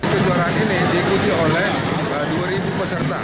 kejuaraan ini diikuti oleh dua peserta